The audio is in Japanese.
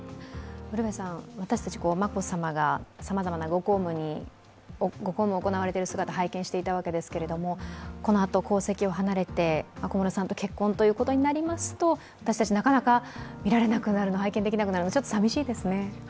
私たち、眞子さまがさまざまなご公務を行われていた姿、拝見していたわけですけれども、このあと皇籍を離れて小室さんと結婚ということになりますと、私たちなかなか拝見できなくなるのはちょっと寂しいですね。